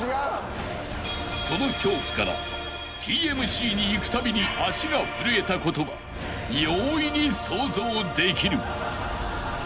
［その恐怖からＴＭＣに行くたびに足が震えたことは容易に想像できる］